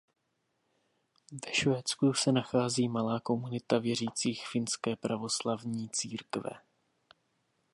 Ve Švédsku se nachází malá komunita věřících finské pravoslavní církve.